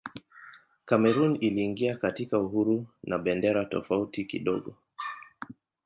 Kamerun iliingia katika uhuru na bendera tofauti kidogo.